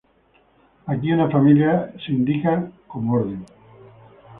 Aquí, una familia es indicada como "orden".